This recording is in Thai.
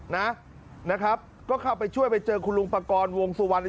นี่คือยังมีเวลาเลือกตั้งอยู่ใช่ไหม